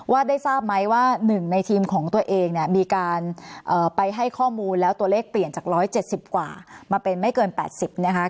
ได้ทราบไหมว่า๑ในทีมของตัวเองเนี่ยมีการไปให้ข้อมูลแล้วตัวเลขเปลี่ยนจาก๑๗๐กว่ามาเป็นไม่เกิน๘๐นะคะ